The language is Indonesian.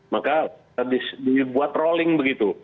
maka dibuat rolling begitu